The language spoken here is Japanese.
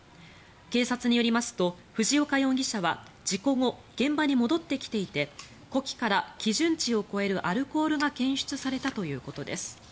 警察によりますと藤岡容疑者は事故後、現場に戻ってきていて呼気から基準値を超えるアルコールが検出されたということです。